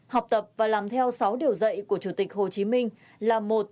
học tập và làm theo sáu điều dạy của chủ tịch hồ chí minh là một